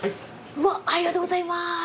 うわっありがとうございます。